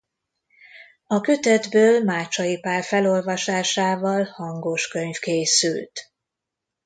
A kötetből Mácsai Pál felolvasásával hangoskönyv készült.